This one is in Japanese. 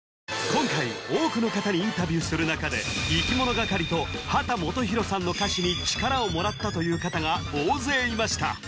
今回多くの方にインタビューする中でいきものがかりと秦基博さんの歌詞に力をもらったという方が大勢いました！